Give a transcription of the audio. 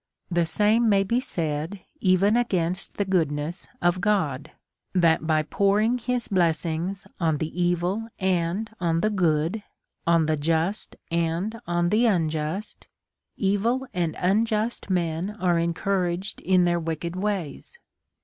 The same may be said even against the goodness of God, that, by pouring his blessing on the evil and on the good, on the just and on the unjust, evil and unjust men are encouraged in their wicked ways.